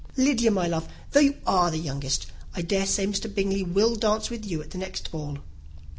Lydia, my love, though you are the youngest, I dare say Mr. Bingley will dance with you at the next ball."